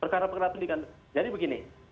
perkara perkara pendidikan jadi begini